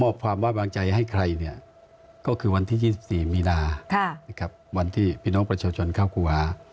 ค่ะนะครับวันที่พี่น้องประชาชนเข้าคู่หา